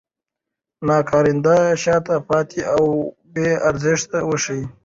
ناکارنده، شاته پاتې او بې ارزښته وښيي.